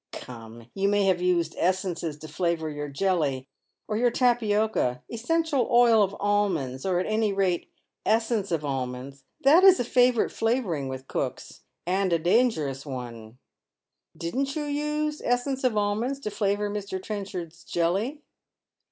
" Come, you may have used essences to flavour your jelly, or your tapioca. Essential oil of almonds, or at any rate essence of almonds That is a favourite flavouring with cooks, and a dangerous one Didn't you use essence of almonds to flavour Mr. Trenchard's jelly?